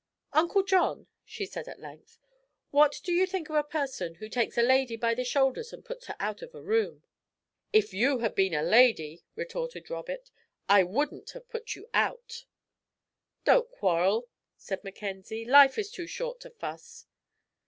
"Uncle John," she said at length, "what do you think of a person who takes a lady by the shoulders and puts her out of a room?" "If you had been a lady," retorted Robert, "I wouldn't have put you out." "Don't quarrel," said Mackenzie. "Life is too short to fuss."